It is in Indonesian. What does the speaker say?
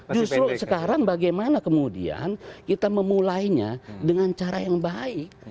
justru sekarang bagaimana kemudian kita memulainya dengan cara yang baik